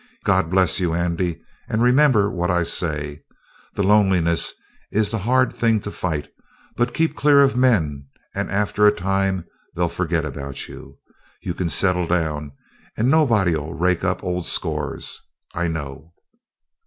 God bless you, Andy! And remember what I say: The loneliness is the hard thing to fight, but keep clear of men, and after a time they'll forget about you. You can settle down and nobody'll rake up old scores. I know."